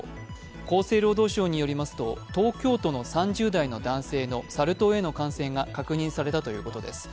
厚生労働省によりますと、東京都の３０代の男性のサル痘への感染が確認されたということです。